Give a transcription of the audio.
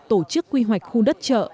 tổ chức quy hoạch khu đất chợ